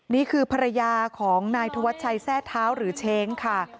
นี่คือภรรยาของนายธวัชชัยแทร่เท้าหรือเช้งค่ะ